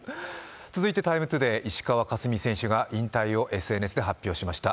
続いて「ＴＩＭＥ，ＴＯＤＡＹ」石川佳純選手が引退をＳＮＳで発表しました。